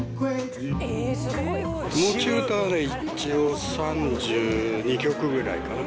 持ち歌はね、一応３２曲ぐらいかな。